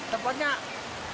tempatnya enak mas